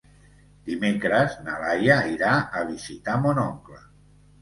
Dimecres na Laia irà a visitar mon oncle.